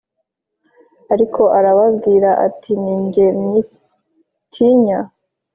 Ariko arababwira ati Ni jye mwitinya